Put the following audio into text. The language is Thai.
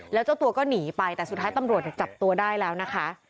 แล้วเจ้าตัวก็หนีไปแต่สุดท้ายตำรวจจับตัวได้แล้วนะคะ